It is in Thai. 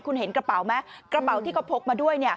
คุณเห็นกระเป๋าไหมกระเป๋าที่เขาพกมาด้วย